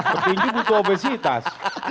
ketinju butuh obesitas